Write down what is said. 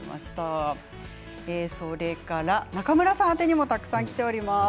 それから中村さん宛にもたくさんきています。